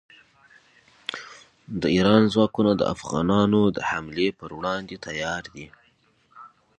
د ایران ځواکونه د افغانانو د حملې پر وړاندې تیار دي.